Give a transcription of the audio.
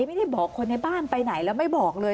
ไม่ได้บอกคนในบ้านไปไหนแล้วไม่บอกเลย